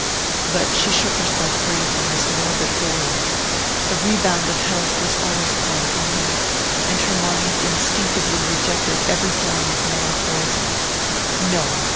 But she shook herself free from this morbid horror the rebound of health was always prompt in her, and her mind instinctively rejected every form of moral poison. No!